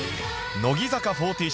乃木坂４６